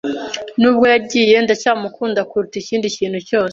Nubwo yagiye, ndacyamukunda kuruta ikindi kintu cyose.